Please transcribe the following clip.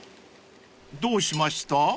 ［どうしました？］